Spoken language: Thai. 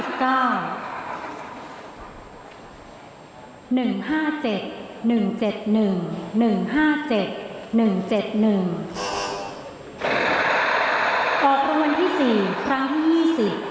ต่อทะวันที่๔ครั้งที่๑๙